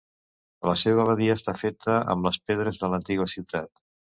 La seva abadia està feta amb les pedres de l'antiga ciutat.